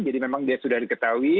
jadi memang dia sudah diketahui